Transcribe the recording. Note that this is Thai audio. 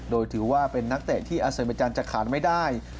โดยถือว่าเป็นนักเตะที่อาเซเมจันจะขาดไม่ได้